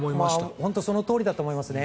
本当にそのとおりだと思いますね。